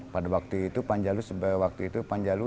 pada waktu itu panjalu dipegang oleh nama nusantara